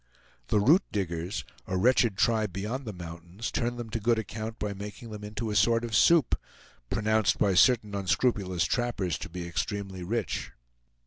The Root Diggers, a wretched tribe beyond the mountains, turn them to good account by making them into a sort of soup, pronounced by certain unscrupulous trappers to be extremely rich.